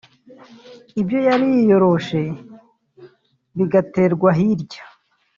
ibyo yari yiyoroshe bigaterwa hirya